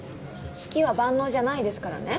好きは万能じゃないですからね